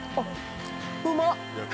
◆うまっ。